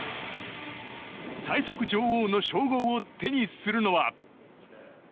最速女王の称号を手にするのは。